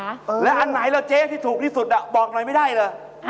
แล้วอันไหนล่ะเจ๊ที่ถูกที่สุดบอกหน่อยไม่ได้เลย